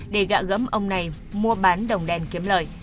để gã gấm ông này mua bán đồng đen kiếm lợi